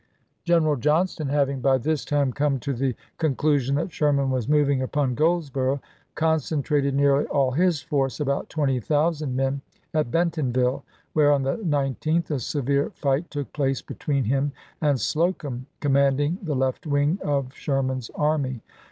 Gen eral Johnston having by this time come to the con clusion that Sherman was moving upon Goldsboro' concentrated nearly all his force, about 20,000 men, at Bentonville, where on the 19th a severe fight took place between him and Slocum, com manding the left wing of Sherman's army.